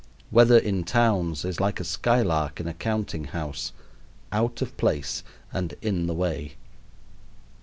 Weather in towns is like a skylark in a counting house out of place and in the way.